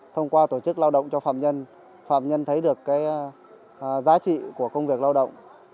thông qua tổ chức lao động cho phạm nhân phạm nhân thấy được giá trị của công việc lao động